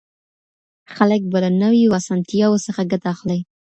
خلګ به له نويو اسانتياوو څخه ګټه اخلي.